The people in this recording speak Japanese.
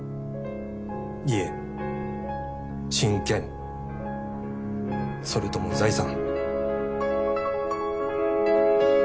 家親権それとも財産。